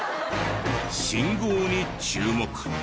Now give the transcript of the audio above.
信号に注目！